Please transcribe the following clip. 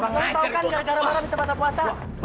lo tau kan gara gara mana bisa batal puasa